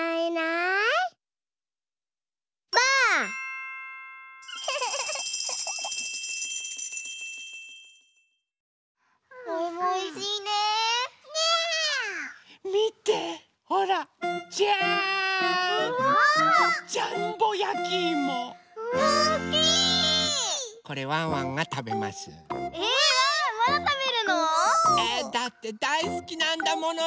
えだってだいすきなんだものやきいも！